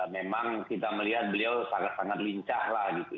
memang kita melihat beliau sangat sangat lincah lah gitu